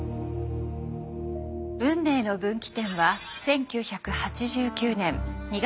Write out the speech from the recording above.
運命の分岐点は１９８９年２月２３日。